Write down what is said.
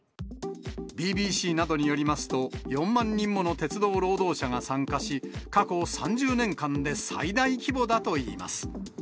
ＢＢＣなどによりますと、４万人もの鉄道労働者が参加し、過去３０年間で最大規模だといいます。